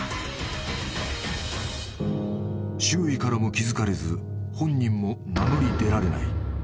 ［周囲からも気付かれず本人も名乗り出られない］